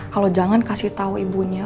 kalau jangan kasih tahu ibunya